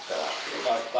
よかった。